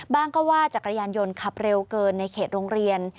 ก็ว่าจักรยานยนต์ขับเร็วเกินในเขตโรงเรียน